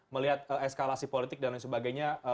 melihat eskalasi politik dan lain sebagainya